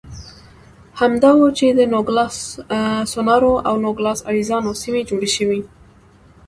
همدا و چې د نوګالس سونورا او نوګالس اریزونا سیمې جوړې شوې.